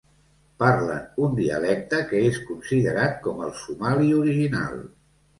Parlen un dialecte que és considerat com el somali original.